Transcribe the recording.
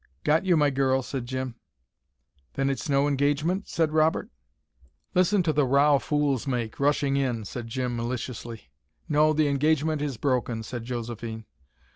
"Got you my girl," said Jim. "Then it's no engagement?" said Robert. "Listen to the row fools make, rushing in," said Jim maliciously. "No, the engagement is broken," said Josephine.